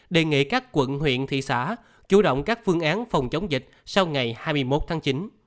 đề nghị các quận huyện thị xã chủ động các phương án phòng chống dịch sau ngày hai mươi một tháng chín